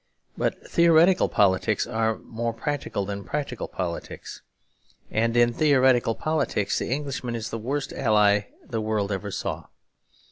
But theoretical politics are more practical than practical politics. And in theoretical politics the Englishman is the worst ally the world ever saw.